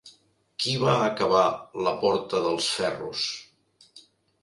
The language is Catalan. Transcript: Qui va acabar la porta dels ferros?